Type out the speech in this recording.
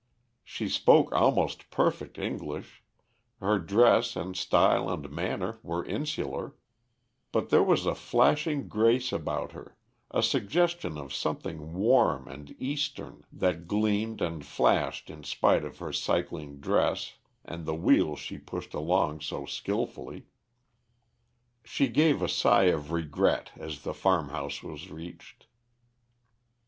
She spoke almost perfect English, her dress, and style and manner were insular, but there was a flashing grace about her, a suggestion of something warm and Eastern, that gleamed and flashed in spite of her cycling dress and the wheel she pushed along so skillfully. She gave a sigh of regret as the farmhouse was reached.